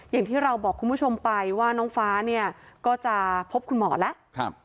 อย่างที่เราบอกคุณผู้ชมไปว่าน้องฟ้าเนี่ยก็จะพบคุณหมอแล้ว